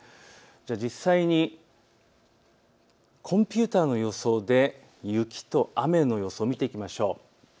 実際にコンピューターの予想で雪と雨の予想を見ていきましょう。